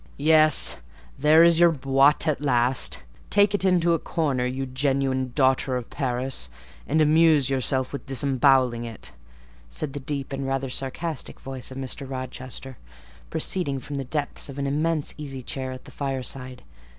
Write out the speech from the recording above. "Yes, there is your 'boite' at last: take it into a corner, you genuine daughter of Paris, and amuse yourself with disembowelling it," said the deep and rather sarcastic voice of Mr. Rochester, proceeding from the depths of an immense easy chair at the fireside.